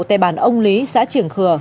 tại bản ông lý xã trường khừa